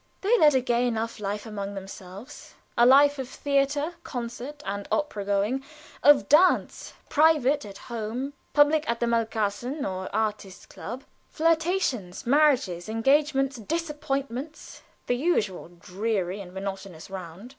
They led a gay enough life among themselves a life of theater, concert, and opera going, of dances, private at home, public at the Malkasten or Artists' Club, flirtations, marriages, engagements, disappointments, the usual dreary and monotonous round.